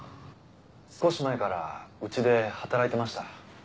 少し前からうちで働いてました。